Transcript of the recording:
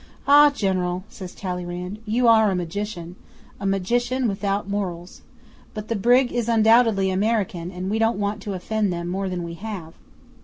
'"Ah, General!" says Talleyrand. "You are a magician a magician without morals. But the brig is undoubtedly American, and we don't want to offend them more than we have."